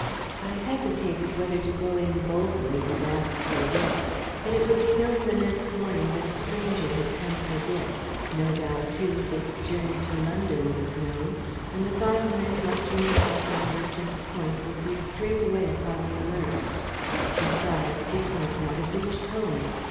I hesitated whether to go in boldly and ask for Dick. But it would be known the next morning that a stranger had come for Dick; no doubt, too, Dick's journey to London was known, and the five men watching the house on Merchant's Point would be straightway upon the alert. Besides Dick might not have reached home.